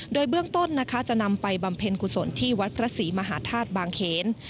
โดยเบื้องต้นนะคะจะนำไปบำเพ็ญกุศลที่วัดพระศรีมหาธาตุบางเขน